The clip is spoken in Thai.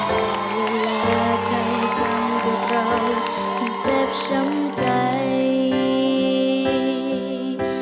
แต่เวลาใครจำกับเราเจ็บช้ำใจ